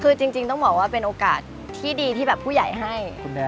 คือจริงต้องบอกว่าเป็นโอกาสที่ดีที่แบบผู้ใหญ่ให้